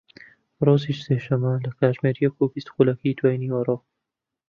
ڕۆژی سێشەممە لە کاتژمێر یەک و بیست خولەکی دوای نیوەڕۆ